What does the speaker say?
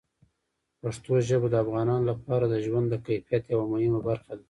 پښتو ژبه د افغانانو لپاره د ژوند د کیفیت یوه مهمه برخه ده.